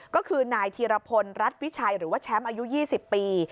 ก็คือนายธีรพลรัฐวิชัยหรือว่าแชมป์อายุ๒๐ปี